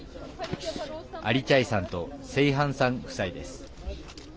アリ・チャイさんとセイハンさん夫妻です。